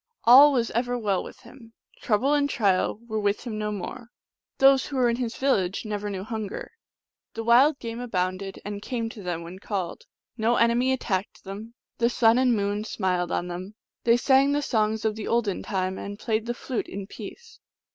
All was ever well with him ; trouble and trial were with him no more. Those who were in his viL lage never knew hunger; the wild game abounded, and came to them when called ; no enemy attacked them ; the sun and moon smiled on them ; they sang the songs of the olden time, and played the flute in peace.